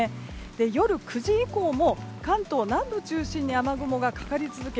夜９時以降も、関東南部を中心に雨雲がかかり続け